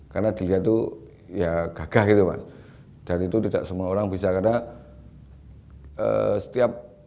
karena dilihat itu gagah dan itu tidak semua orang bisa